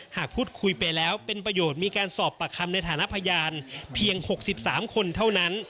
หากพูดคุยไปแล้วเป็นประโยชน์มีการสอบปากคำในฐานะพยานเพียง๖๓คนเท่านั้น